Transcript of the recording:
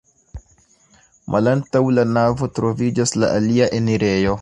Malantaŭ la navo troviĝas la alia enirejo.